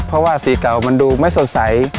เพราะว่าสีเก่ามันดูไม่สดใส